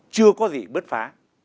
chưa có gì bước phá